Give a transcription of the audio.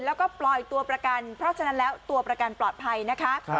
แล้วก็ปล่อยตัวประกันเพราะฉะนั้นแล้วตัวประกันปลอดภัยนะคะ